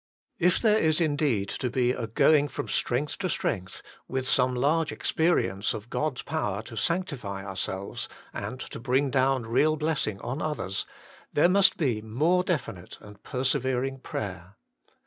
If there is indeed to be a going from strength to strength, with some large experience of God s power to sanctify our selves and to bring down real blessing on others, there must be more definite and persevering 14 THE MINISTKY OF INTERCESSION prayer.